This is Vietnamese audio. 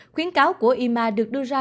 khuyến cáo của ima được đưa ra